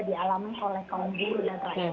di alami oleh kaum buruh dan lainnya